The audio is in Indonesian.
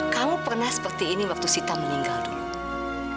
kamu pernah seperti ini waktu sita meninggal dunia